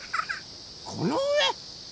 このうえ？